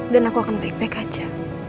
dan aku akan baik baik aja